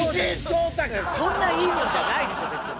そんないいもんじゃないでしょ別に。